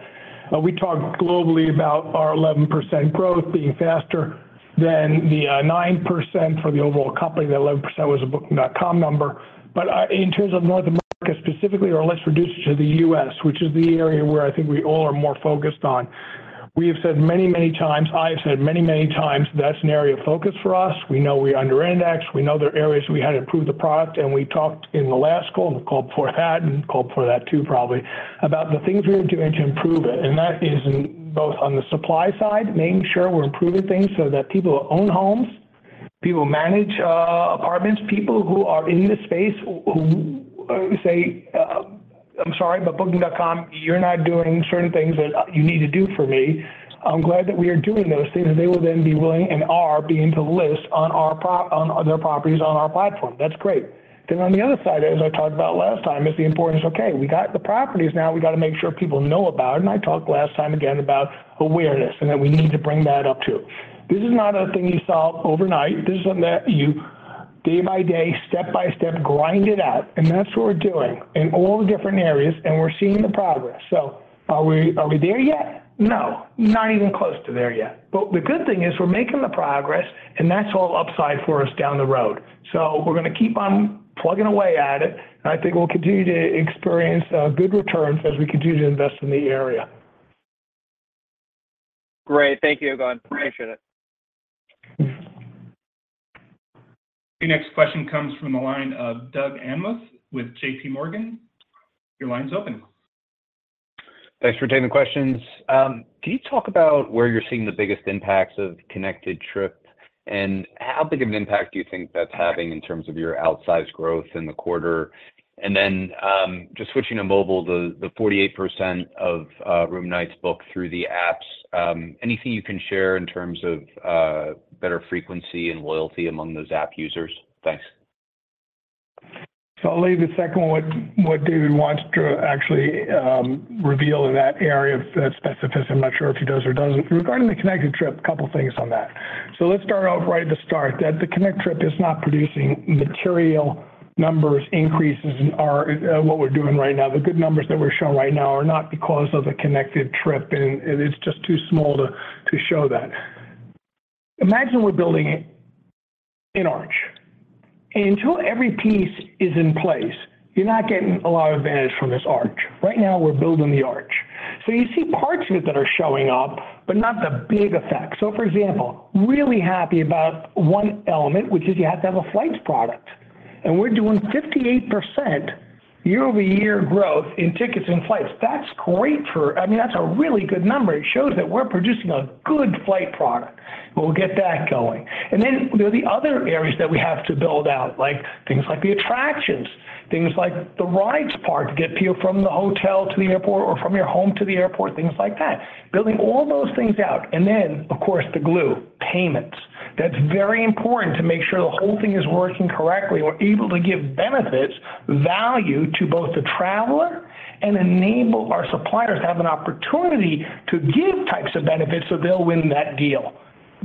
We talked globally about our 11% growth being faster than the 9% for the overall company. That 11% was a Booking.com number. In terms of North America specifically, or let's reduce it to the U.S., which is the area where I think we all are more focused on, we have said many, many times, I have said many, many times, that's an area of focus for us. We know we underindex, we know there are areas we had to improve the product, and we talked in the last call, and the call before that, and the call before that, too, probably, about the things we are doing to improve it. That is in both on the supply side, making sure we're improving things so that people who own homes, people who manage apartments, people who are in this space, who say, "I'm sorry, but Booking.com, you're not doing certain things that you need to do for me." I'm glad that we are doing those things, and they will then be willing, and are, beginning to list on their properties on our platform. That's great. On the other side, as I talked about last time, is the importance. Okay, we got the properties, now we gotta make sure people know about it. I talked last time again about awareness, and that we need to bring that up, too. This is not a thing you solve overnight. This is something that you day by day, step by step, grind it out, and that's what we're doing in all the different areas, and we're seeing the progress. Are we, are we there yet? No, not even close to there yet. The good thing is we're making the progress, and that's all upside for us down the road. We're gonna keep on plugging away at it, and I think we'll continue to experience good returns as we continue to invest in the area. Great. Thank you again. Appreciate it. The next question comes from the line of Doug Anmuth with JPMorgan. Your line's open. Thanks for taking the questions. Can you talk about where you're seeing the biggest impacts of Connected Trip? How big of an impact do you think that's having in terms of your outsized growth in the quarter? Just switching to mobile, the 48% of room nights booked through the apps, anything you can share in terms of better frequency and loyalty among those app users? Thanks. I'll leave the second one, what, what David wants to actually reveal in that area of specifics. I'm not sure if he does or doesn't. Regarding the Connected Trip, a couple of things on that. Let's start off right at the start, that the Connected Trip is not producing material numbers increases in our what we're doing right now. The good numbers that we're showing right now are not because of the Connected Trip, and it's just too small to show that. Imagine we're building an arch, and until every piece is in place, you're not getting a lot of advantage from this arch. Right now, we're building the arch. You see parts of it that are showing up, but not the big effect. For example, really happy about one element, which is you have to have a flights product, and we're doing 58% year-over-year growth in tickets and flights. That's great. I mean, that's a really good number. It shows that we're producing a good flight product. We'll get that going. Then there are the other areas that we have to build out, like things like the attractions, things like the rides part, get people from the hotel to the airport or from your home to the airport, things like that. Building all those things out. Then, of course, the glue, payments. That's very important to make sure the whole thing is working correctly. We're able to give benefits, value to both the traveler and enable our suppliers to have an opportunity to give types of benefits so they'll win that deal.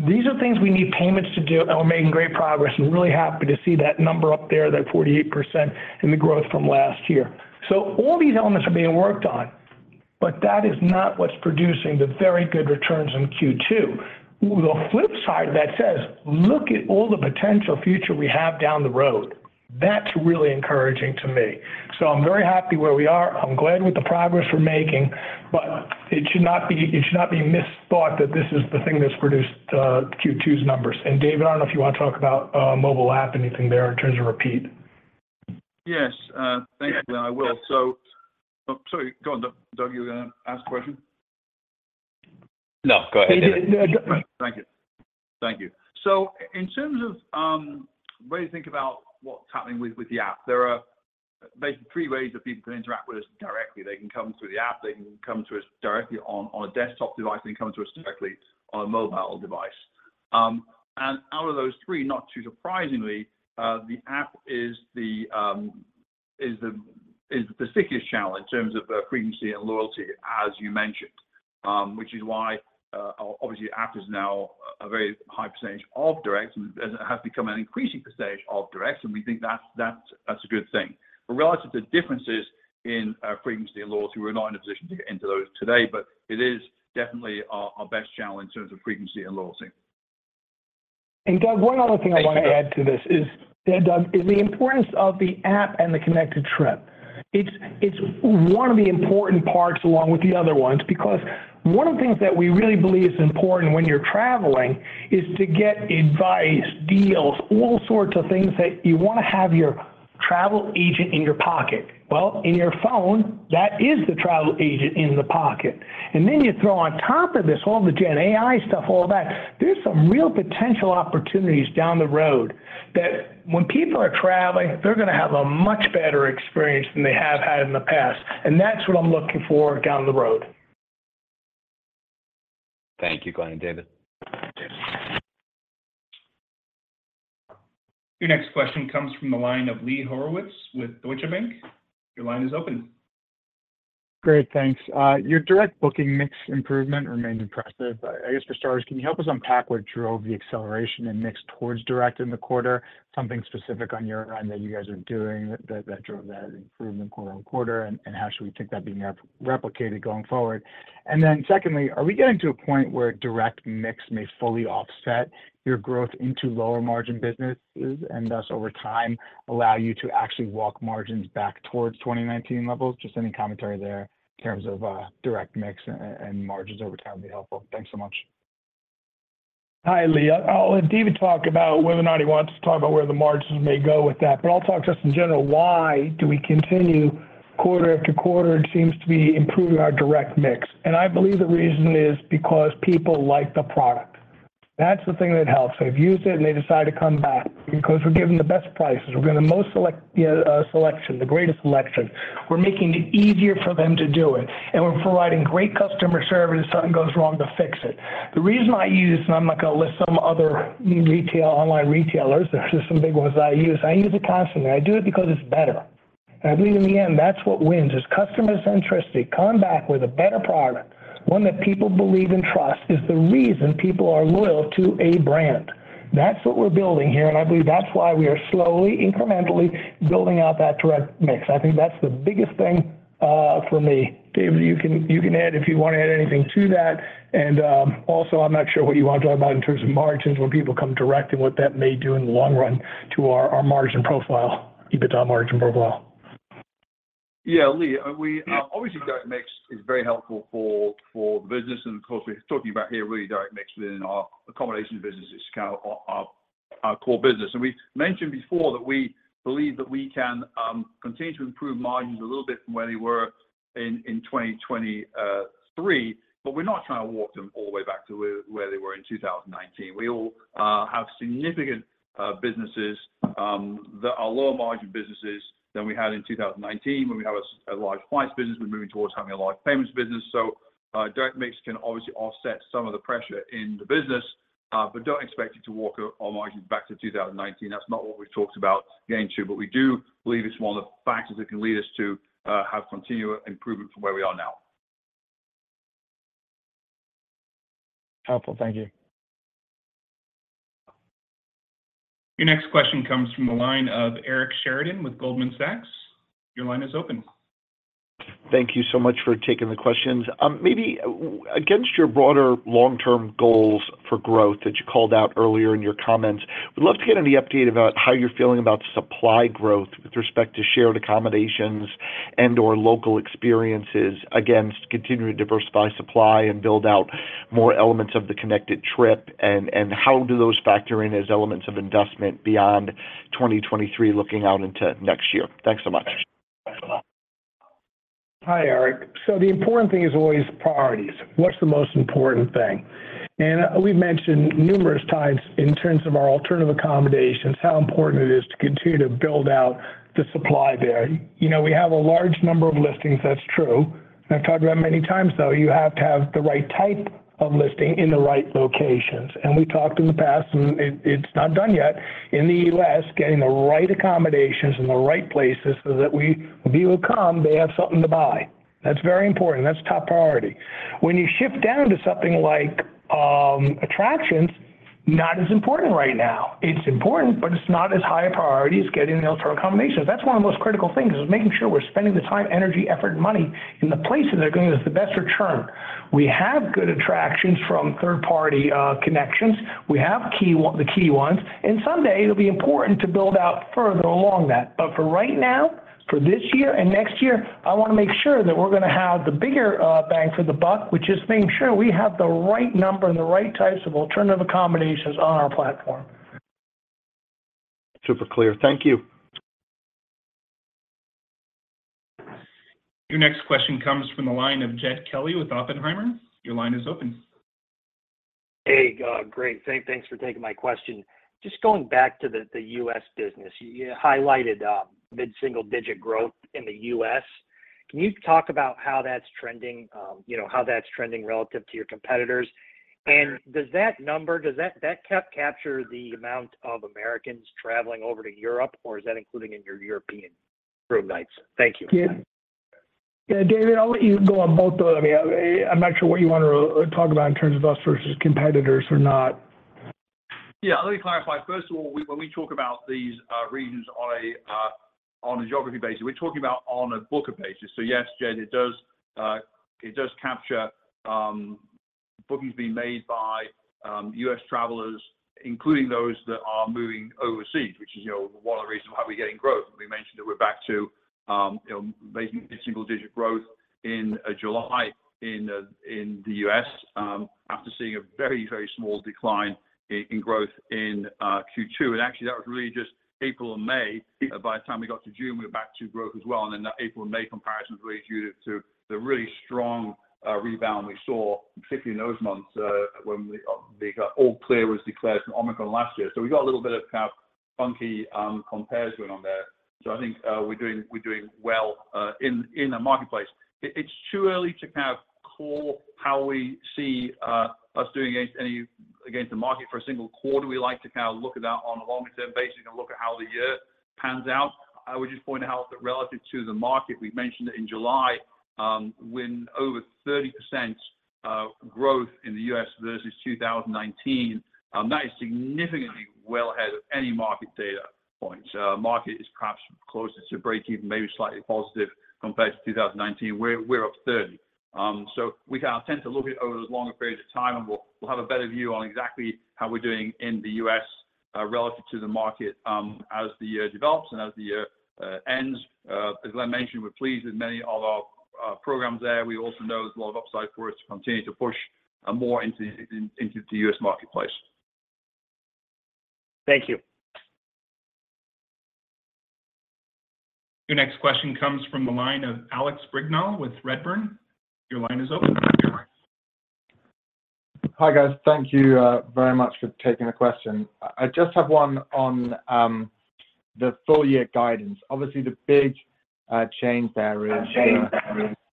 These are things we need payments to do, we're making great progress, and we're really happy to see that number up there, that 48% in the growth from last year. All these elements are being worked on, but that is not what's producing the very good returns in Q2. The flip side of that says, "Look at all the potential future we have down the road." That's really encouraging to me. I'm very happy where we are. I'm glad with the progress we're making, but it should not be, it should not be misthought that this is the thing that's produced, Q2's numbers. David, I don't know if you want to talk about, mobile app, anything there in terms of repeat. Yes, thankfully, I will. Oh, sorry, go on, Doug. Doug, you were gonna ask a question? No, go ahead. Thank you. Thank you. In terms of, when you think about what's happening with, with the app, there are basically three ways that people can interact with us directly. They can come through the app, they can come to us directly on, on a desktop device, they can come to us directly on a mobile device. And out of those three, not too surprisingly, the app is the, is the, is the stickiest channel in terms of, frequency and loyalty, as you mentioned. Which is why, obviously, app is now a very high percentage of direct and has become an increasing percentage of direct, and we think that's, that's, that's a good thing. Relative to differences in frequency and loyalty, we're not in a position to get into those today, but it is definitely our best channel in terms of frequency and loyalty. Doug, one other thing I want to add to this, yeah, Doug, is the importance of the app and the Connected Trip. It's one of the important parts along with the other ones, because one of the things that we really believe is important when you're traveling is to get advice, deals, all sorts of things that you want to have your travel agent in your pocket. Well, in your phone, that is the travel agent in the pocket. You throw on top of this, all the GenAI stuff, all that. There's some real potential opportunities down the road, that when people are traveling, they're gonna have a much better experience than they have had in the past, and that's what I'm looking for down the road. Thank you, Glenn and David. Your next question comes from the line of Lee Horowitz with Deutsche Bank. Your line is open. Great, thanks. Your direct booking mix improvement remains impressive. I guess for starters, can you help us unpack what drove the acceleration and mix towards direct in the quarter? Something specific on your end that you guys are doing that, that drove that improvement quarter on quarter, and how should we think that being replicated going forward? Secondly, are we getting to a point where direct mix may fully offset your growth into lower margin businesses, and thus, over time, allow you to actually walk margins back towards 2019 levels? Just any commentary there in terms of direct mix and margins over time would be helpful. Thanks so much. Hi, Lee. I'll, I'll let David talk about whether or not he wants to talk about where the margins may go with that, but I'll talk just in general, why do we continue quarter after quarter, it seems to be improving our direct mix. I believe the reason is because people like the product. That's the thing that helps. They've used it, and they decide to come back because we're giving the best prices. We've got the most select, selection, the greatest selection. We're making it easier for them to do it, and we're providing great customer service if something goes wrong to fix it. The reason I use, and I'm not gonna list some other retail, online retailers, there are just some big ones that I use. I use it constantly. I do it because it's better, and I believe in the end, that's what wins, is customer centricity. Come back with a better product, one that people believe and trust is the reason people are loyal to a brand. That's what we're building here, and I believe that's why we are slowly, incrementally building out that direct mix. I think that's the biggest thing for me. David, you can, you can add if you want to add anything to that. Also, I'm not sure what you want to talk about in terms of margins when people come direct and what that may do in the long run to our, our margin profile, EBITDA margin profile. Yeah, Lee, we, obviously, direct mix is very helpful for, for the business. Of course, we're talking about here really direct mix within our accommodation business. It's kind of our, our, our core business. We mentioned before that we believe that we can continue to improve margins a little bit from where they were in 2023, but we're not trying to walk them all the way back to where, where they were in 2019. We all have significant businesses that are lower margin businesses than we had in 2019, when we had a large flights business, we're moving towards having a large payments business. Direct mix can obviously offset some of the pressure in the business, but don't expect it to walk our margins back to 2019. That's not what we've talked about getting to, but we do believe it's one of the factors that can lead us to have continuous improvement from where we are now. Helpful. Thank you. Your next question comes from the line of Eric Sheridan with Goldman Sachs. Your line is open. Thank you so much for taking the questions. Maybe against your broader long-term goals for growth that you called out earlier in your comments, we'd love to get any update about how you're feeling about supply growth with respect to shared accommodations and/or local experiences against continuing to diversify supply and build out more elements of the Connected Trip, and how do those factor in as elements of investment beyond 2023, looking out into next year? Thanks so much. Hi, Eric. The important thing is always priorities. What's the most important thing? We've mentioned numerous times in terms of our alternative accommodations, how important it is to continue to build out the supply there. You know, we have a large number of listings, that's true. I've talked about it many times, though. You have to have the right type of listing in the right locations, and we talked in the past, and it, it's not done yet. In the U.S., getting the right accommodations in the right places so that when people come, they have something to buy. That's very important. That's top priority. When you shift down to something like attractions, not as important right now. It's important, but it's not as high a priority as getting the alternative accommodations. That's one of the most critical things, is making sure we're spending the time, energy, effort, and money in the places that are giving us the best return. We have good attractions from third-party connections. We have key ones, the key ones, and someday it'll be important to build out further along that. For right now, for this year and next year, I want to make sure that we're gonna have the bigger bang for the buck, which is making sure we have the right number and the right types of alternative accommodations on our platform. Super clear. Thank you. Your next question comes from the line of Jed Kelly with Oppenheimer. Your line is open. Hey, great. Thanks for taking my question. Just going back to the, the U.S. business, you highlighted mid-single digit growth in the U.S. Can you talk about how that's trending, you know, how that's trending relative to your competitors? Does that capture the amount of Americans traveling over to Europe, or is that including in your European growth nights? Thank you. Yeah, David, I'll let you go on both of them. I'm not sure what you want to talk about in terms of us versus competitors or not. Yeah, let me clarify. First of all, when, when we talk about these regions on a geography basis, we're talking about on a booker basis. Yes, Jed, it does, it does capture bookings being made by U.S. travelers, including those that are moving overseas, which is, you know, one of the reasons why we're getting growth. We mentioned that we're back to, you know, making mid-single digit growth in July in the U.S., after seeing a very, very small decline in growth in Q2. Actually, that was really just April and May. By the time we got to June, we were back to growth as well, that April and May comparison was really due to the really strong rebound we saw, particularly in those months, when the all clear was declared from Omicron last year. We got a little bit of kind of funky compares going on there. I think we're doing, we're doing well in the marketplace. It's too early to kind of call how we see us doing against the market for a single quarter. We like to kind of look at that on a longer term basis and look at how the year pans out. I would just point out that relative to the market, we've mentioned that in July, when over 30% growth in the U.S. versus 2019, that is significantly well ahead of any market data point. Our market is perhaps closer to breakeven, maybe slightly positive compared to 2019. We're, we're up 30. We kind of tend to look at it over those longer periods of time, and we'll, we'll have a better view on exactly how we're doing in the U.S. relative to the market as the year develops and as the year ends. As I mentioned, we're pleased with many of our, our programs there. We also know there's a lot of upside for us to continue to push more into, in, into the U.S. marketplace. Thank you. Your next question comes from the line of Alex Brignall with Redburn. Your line is open. Hi, guys. Thank you, very much for taking the question. I just have one on the full year guidance. Obviously, the big change there is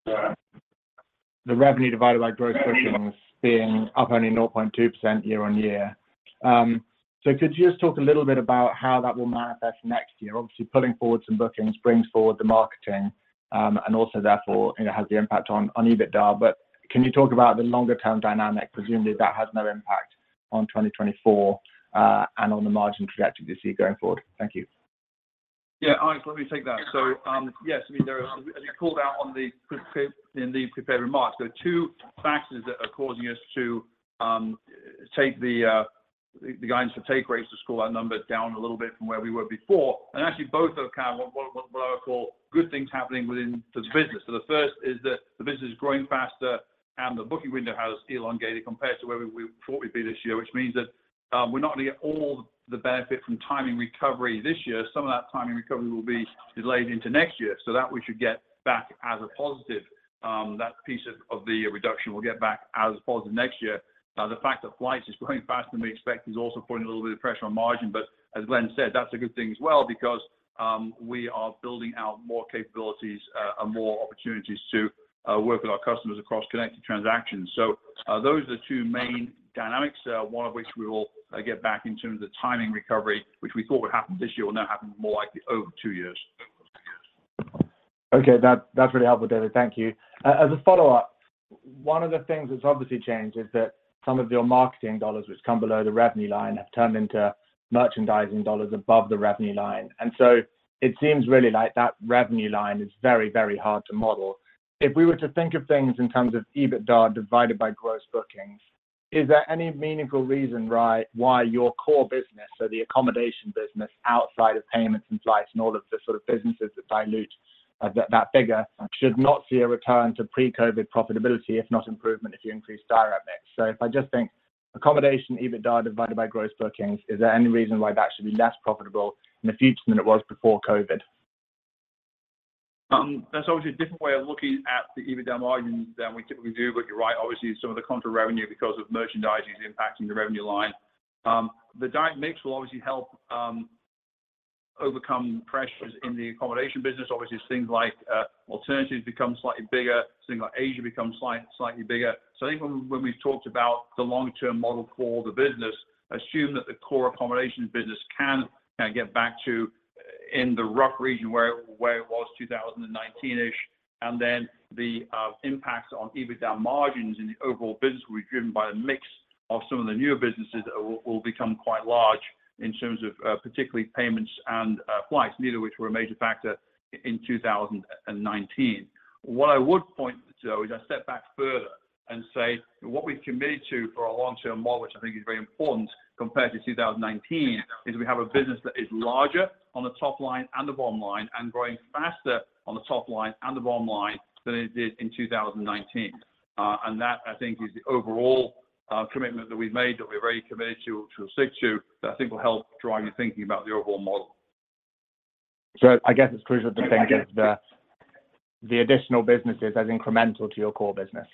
the revenue divided by gross bookings being up only 0.2% year-on-year. Could you just talk a little bit about how that will manifest next year? Obviously, pulling forward some bookings brings forward the marketing, and also therefore, you know, has the impact on, on EBITDA. Can you talk about the longer-term dynamic? Presumably, that has no impact on 2024, and on the margin trajectory you see going forward. Thank you. Yeah, Alex, let me take that. Yes, I mean, there are as you called out in the prepared remarks, there are two factors that are causing us to take the guidance for take rates to score our numbers down a little bit from where we were before. Actually, both are kind of what I would call good things happening within the business. The first is that the business is growing faster and the booking window has elongated compared to where we thought we'd be this year, which means that we're not going to get all the benefit from timing recovery this year. Some of that timing recovery will be delayed into next year, so that we should get back as a positive. That piece of the reduction will get back as positive next year. The fact that flights is growing faster than we expect is also putting a little bit of pressure on margin. As Glenn said, that's a good thing as well because we are building out more capabilities and more opportunities to work with our customers across connected transactions. Those are the 2 main dynamics, one of which we will get back in terms of timing recovery, which we thought would happen this year, will now happen more likely over two years. Okay, that's really helpful, David. Thank you. As a follow-up, one of the things that's obviously changed is that some of your marketing dollars, which come below the revenue line, have turned into merchandising dollars above the revenue line. So it seems really like that revenue line is very, very hard to model. If we were to think of things in terms of EBITDA divided by gross bookings, is there any meaningful reason, right, why your core business, so the accommodation business outside of payments and flights and all of the sort of businesses that dilute that figure, should not see a return to pre-COVID profitability, if not improvement, if you increase direct mix? If I just think accommodation, EBITDA divided by gross bookings, is there any reason why that should be less profitable in the future than it was before COVID? That's obviously a different way of looking at the EBITDA margins than we typically do, but you're right. Obviously, some of the counter revenue, because of merchandising, is impacting the revenue line. The direct mix will obviously help overcome pressures in the accommodation business. Obviously, things like alternatives become slightly bigger, things like Asia become slightly bigger. So even when we've talked about the long-term model for the business, assume that the core accommodation business can get back to, in the rough region where it was 2019-ish, and then the impact on EBITDA margins in the overall business will be driven by a mix of some of the newer businesses that will become quite large in terms of particularly payments and flights, neither of which were a major factor in 2019. What I would point to, though, is I step back further and say what we've committed to for our long-term model, which I think is very important compared to 2019, is we have a business that is larger on the top line and the bottom line, and growing faster on the top line and the bottom line than it did in 2019. And that, I think, is the overall commitment that we've made, that we're very committed to, to stick to, that I think will help drive your thinking about the overall model. I guess it's crucial to think of the, the additional businesses as incremental to your core business.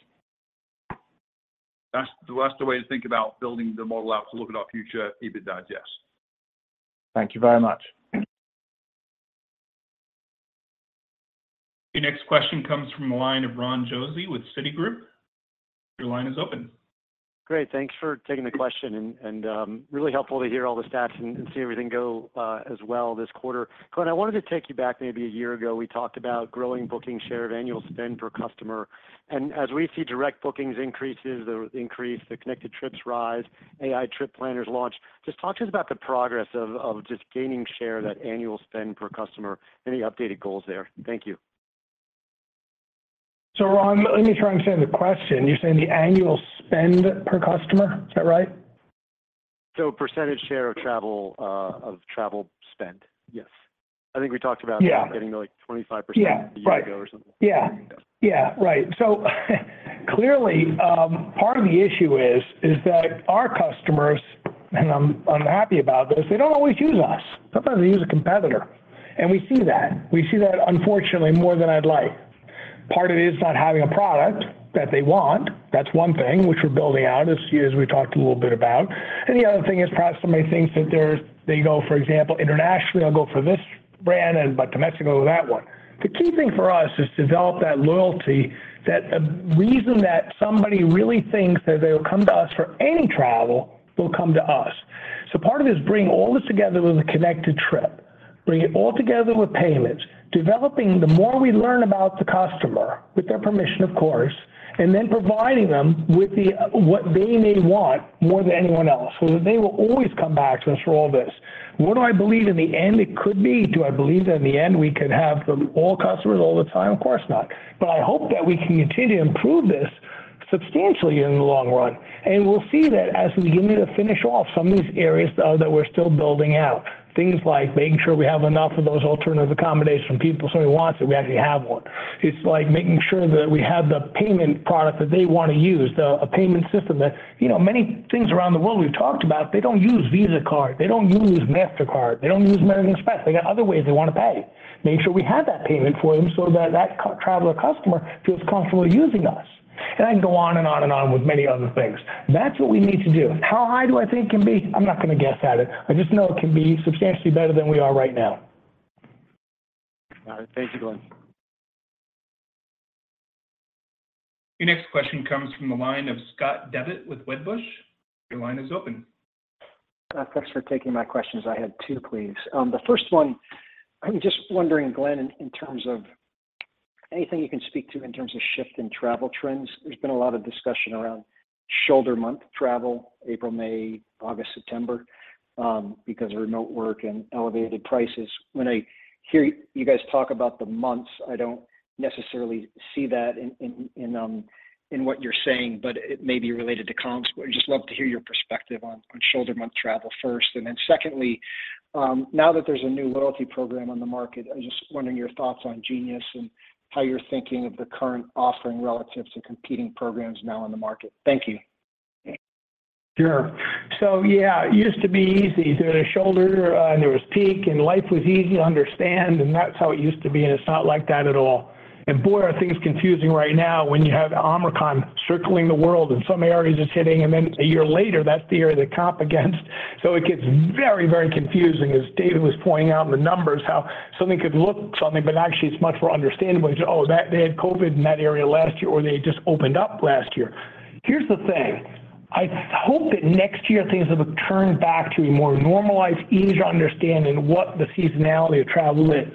That's, well, that's the way to think about building the model out to look at our future EBITDA, yes. Thank you very much. Your next question comes from the line of Ron Josey with Citigroup. Your line is open. Great, thanks for taking the question, and, and really helpful to hear all the stats and, and see everything go as well this quarter. Glenn, I wanted to take you back maybe a year ago. We talked about growing booking share of annual spend per customer. As we see direct bookings increases, the increase, the Connected Trips rise, AI Trip Planners launch, just talk to us about the progress of, of just gaining share that annual spend per customer. Any updated goals there? Thank you. Ron, let me try and understand the question. You're saying the annual spend per customer, is that right? percentage share of travel, of travel spend, yes. I think we talked about- Yeah... getting to, like, 25%- Yeah, right. a year ago or something. Yeah. Yeah, right. Clearly, part of the issue is, is that our customers, and I'm, I'm happy about this, they don't always use us. Sometimes they use a competitor, we see that. We see that unfortunately more than I'd like. Part of it is not having a product that they want. That's one thing which we're building out, as, as we talked a little bit about. The other thing is perhaps somebody thinks that they go, for example, internationally, I'll go for this brand, and but domestically, go with that one. The key thing for us is to develop that loyalty, that a reason that somebody really thinks that they'll come to us for any travel, will come to us. Part of it is bringing all this together with a Connected Trip, bringing it all together with payments, developing the more we learn about the customer, with their permission, of course, and then providing them with the, what they may want more than anyone else, so that they will always come back to us for all this. What do I believe in the end it could be? Do I believe that in the end we could have the all customers all the time? Of course not. I hope that we can continue to improve this substantially in the long run. We'll see that as we begin to finish off some of these areas that we're still building out. Things like making sure we have enough of those alternative accommodations from people, somebody wants it, we actually have one. It's like making sure that we have the payment product that they want to use, a payment system that... You know, many things around the world we've talked about, they don't use Visa card, they don't use Mastercard, they don't use American Express. They got other ways they want to pay. Make sure we have that payment for them so that that co- traveler, customer feels comfortable using us. I can go on and on and on with many other things. That's what we need to do. How high do I think it can be? I'm not going to guess at it. I just know it can be substantially better than we are right now. All right. Thank you, Glenn. Your next question comes from the line of Scott Devitt with Wedbush. Your line is open. Thanks for taking my questions. I had two, please. The first one, I'm just wondering, Glenn, in terms of anything you can speak to in terms of shift in travel trends. There's been a lot of discussion around shoulder month travel, April, May, August, September, because of remote work and elevated prices. When I hear you guys talk about the months, I don't necessarily see that in what you're saying, but it may be related to comps. I'd just love to hear your perspective on shoulder month travel first. Secondly, now that there's a new loyalty program on the market, I'm just wondering your thoughts on Genius and how you're thinking of the current offering relatives to competing programs now on the market. Thank you. Sure. Yeah, it used to be easy. There was a shoulder, and there was peak, and life was easy to understand, and that's how it used to be, and it's not like that at all. Boy, are things confusing right now when you have Omicron circling the world, and some areas it's hitting, and then a year later, that's the area they comp against. It gets very, very confusing, as David was pointing out in the numbers, how something could look something, but actually it's much more understandable to say, "Oh, that they had COVID in that area last year, or they just opened up last year." Here's the thing: I hope that next year, things have turned back to a more normalized, easier to understand in what the seasonality of travel is.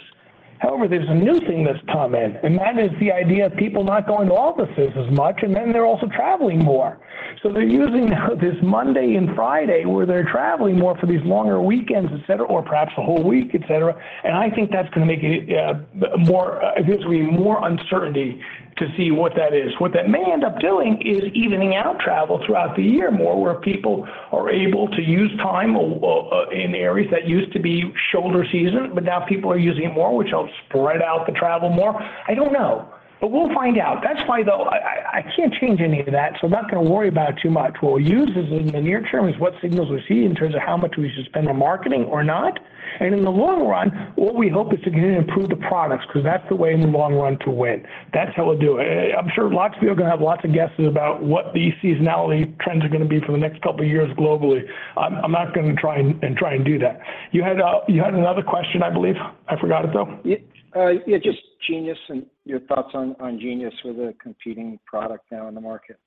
However, there's a new thing that's come in, and that is the idea of people not going to offices as much, and then they're also traveling more. They're using this Monday and Friday, where they're traveling more for these longer weekends, et cetera, or perhaps the whole week, et cetera. I think that's going to make it more, I think it's going to be more uncertainty to see what that is. What that may end up doing is evening out travel throughout the year more, where people are able to use time in areas that used to be shoulder season, but now people are using it more, which will spread out the travel more. I don't know, but we'll find out. That's why, though, I, I, I can't change any of that, so I'm not going to worry about it too much. What we'll use is, in the near term, is what signals we see in terms of how much we should spend on marketing or not. In the long run, what we hope is to continue to improve the products, because that's the way in the long run to win. That's how we'll do it. I'm sure lots of people are going to have lots of guesses about what the seasonality trends are going to be for the next 2 years globally. I'm not going to try and, and try and do that. You had, you had another question, I believe. I forgot it, though. Yeah, yeah, just Genius and your thoughts on, on Genius with a competing product now in the market?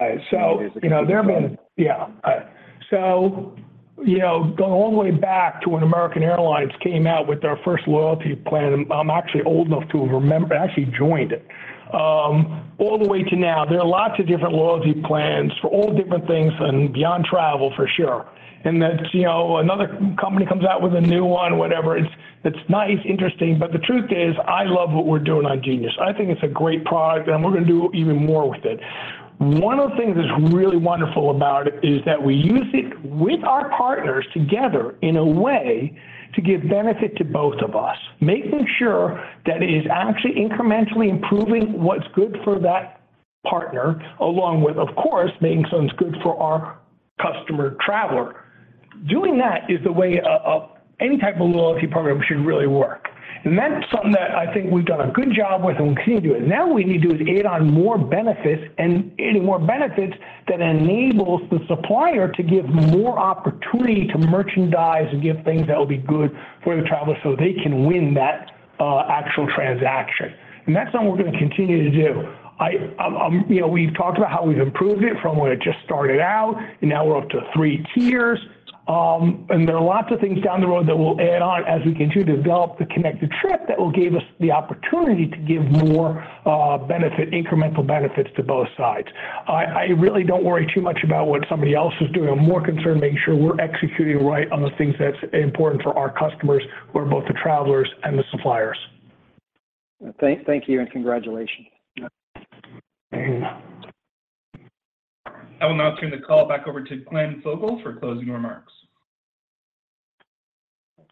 Uh, so- You know, there's been- Yeah. You know, going all the way back to when American Airlines came out with their first loyalty plan, I'm actually old enough to remember. I actually joined it. All the way to now, there are lots of different loyalty plans for all different things and beyond travel for sure. You know, another company comes out with a new one, whatever, it's, it's nice, interesting, but the truth is, I love what we're doing on Genius. I think it's a great product, and we're going to do even more with it. One of the things that's really wonderful about it is that we use it with our partners together in a way to give benefit to both of us, making sure that it is actually incrementally improving what's good for that partner, along with, of course, making sure it's good for our customer traveler. Doing that is the way a, a, any type of loyalty program should really work. That's something that I think we've done a good job with, and we continue to do it. Now, what we need to do is add on more benefits, and adding more benefits that enables the supplier to give more opportunity to merchandise and give things that will be good for the traveler so they can win that, actual transaction. That's something we're going to continue to do. I, you know, we've talked about how we've improved it from when it just started out, and now we're up to three tiers. There are lots of things down the road that we'll add on as we continue to develop the Connected Trip that will give us the opportunity to give more, benefit, incremental benefits to both sides. I, I really don't worry too much about what somebody else is doing. I'm more concerned making sure we're executing right on the things that's important for our customers, who are both the travelers and the suppliers. Thank you, and congratulations. Yeah. I will now turn the call back over to Glenn Fogel for closing remarks.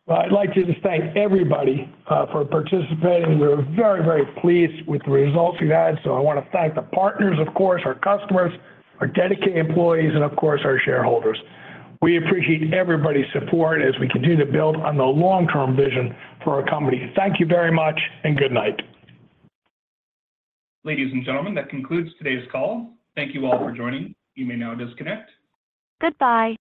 Well, I'd like to just thank everybody, for participating. We're very, very pleased with the results we had. I want to thank the partners, of course, our customers, our dedicated employees, and of course, our shareholders. We appreciate everybody's support as we continue to build on the long-term vision for our company. Thank you very much, and good night. Ladies and gentlemen, that concludes today's call. Thank you all for joining. You may now disconnect. Goodbye.